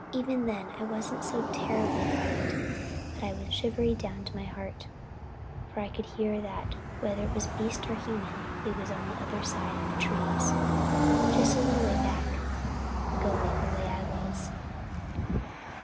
Even then I wasn't so terribly frightened, but I was shivery, shivery down to my heart, for I could hear that, whether it was beast or human, it was on the other side of the trees, just a little way back, going the way I was.